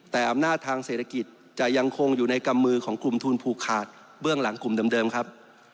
แต่อำนาจทางเศรษฐกิจจะยังคงอยู่ในกำมือของกลุ่มทุนผูกขาดเบื้องหลังกลุ่มเดิมครับ